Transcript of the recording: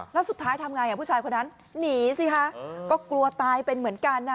แล้วสุดท้ายทำไงผู้ชายคนนั้นหนีสิคะก็กลัวตายเป็นเหมือนกัน